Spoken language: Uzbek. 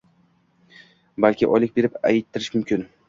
Balki oylik berib ayttirish mumkin.